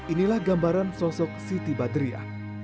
inilah gambaran sosok siti badriah